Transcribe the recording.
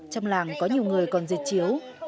trong làng có nhiều người còn giật chiếu